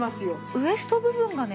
ウエスト部分がね